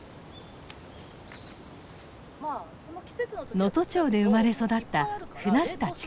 能登町で生まれ育った船下智香子さん。